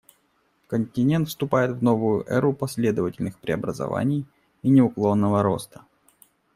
Континент вступает в новую эру последовательных преобразований и неуклонного роста.